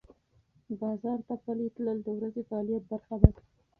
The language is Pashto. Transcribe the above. بازار ته پلي تلل د ورځې فعالیت برخه ده.